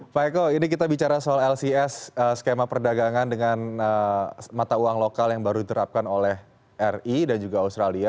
pak eko ini kita bicara soal lcs skema perdagangan dengan mata uang lokal yang baru diterapkan oleh ri dan juga australia